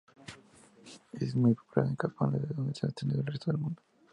Es muy popular en Japón, desde donde se ha extendido al resto del mundo.